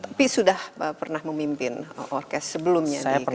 tapi sudah pernah memimpin orkest sebelumnya di kesempatan